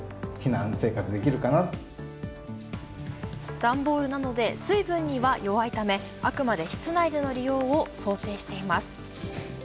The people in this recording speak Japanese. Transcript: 段ボールなので水分には弱いため、あくまで室内での利用を想定しています。